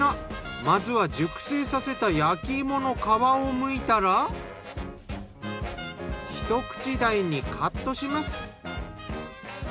まずは熟成させた焼き芋の皮をむいたらひと口大にカットします。